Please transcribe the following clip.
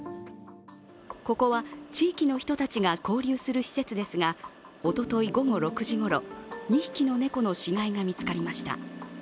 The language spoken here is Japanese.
ここは地域の人たちが交流する施設ですがおととい午後６時ごろ、２匹の猫の死骸が見つかりました。